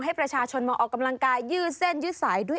ให้ประชาชนมาออกกำลังกายยืดเส้นยืดสายด้วย